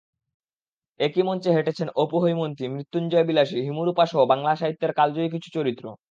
একই মঞ্চে হেঁটেছেন অপু-হৈমন্তী, মৃত্যুঞ্জয়-বিলাসী, হিমু-রুপাসহ বাংলা সাহিত্যের কালজয়ী কিছু চরিত্র।